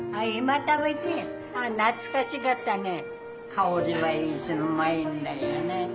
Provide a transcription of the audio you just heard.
香りはいいしうまいんだよね。